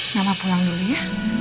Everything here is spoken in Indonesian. nama pulang dulu ya